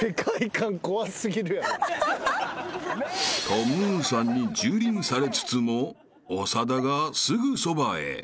［トムーさんに蹂躙されつつも長田がすぐそばへ］